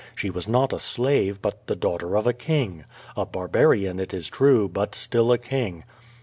She was not a slave, but the daughter of a king. A barbarian, it is true, but still a king.